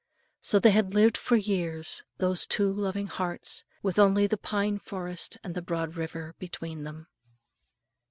So they had lived for years those two loving hearts with only the dark pine forest and the broad river between them.